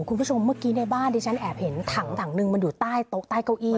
คุณผู้ชมเมื่อกี้ในบ้านดิฉันแอบเห็นถังถังหนึ่งมันอยู่ใต้โต๊ะใต้เก้าอี้